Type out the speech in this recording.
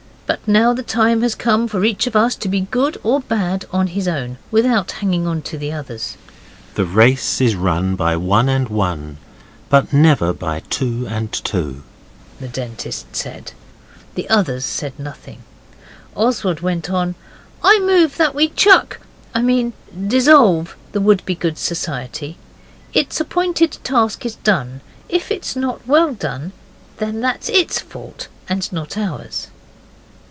But now the time has come for each of us to be good or bad on his own, without hanging on to the others.' 'The race is run by one and one, But never by two and two,' the Dentist said. The others said nothing. Oswald went on: 'I move that we chuck I mean dissolve the Wouldbegoods Society; its appointed task is done. If it's not well done, that's ITS fault and not ours.